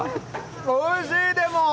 おいしい、でも。